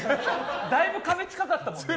だいぶ壁、近かったもんね。